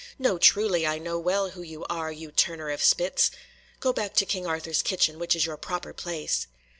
No, truly! I know well who you are, you turner of spits! Go back to King Arthur's kitchen, which is your proper place."